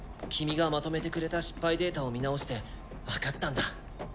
君がまとめてくれた失敗データを見直してわかったんだ。